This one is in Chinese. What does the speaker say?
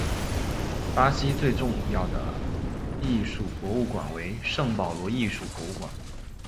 巴西最重要的艺术博物馆为圣保罗艺术博物馆。